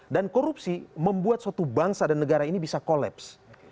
dan korupsi membuat suatu bangsa dan negara ini bisa kolaps